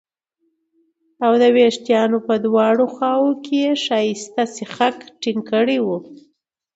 او د وېښتانو په دواړو خواوو کې یې ښایسته سیخک ټینګ کړي وو